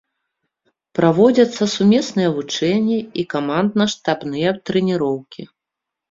Праводзяцца сумесныя вучэнні і камандна-штабныя трэніроўкі.